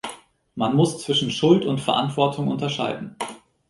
Man muss zwischen Schuld und Verantwortung unterscheiden.